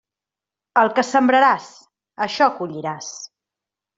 El que sembraràs, això colliràs.